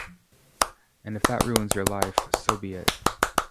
And if that ruins your life, so be it...